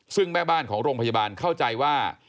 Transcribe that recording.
ซึ่งแม่บ้านของโรงพยาบาลเข้าใจว่า